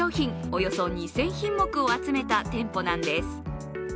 およそ２０００品目を集めた店舗なんです。